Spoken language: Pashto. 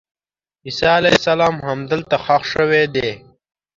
عیسی علیه السلام همدلته ښخ شوی دی.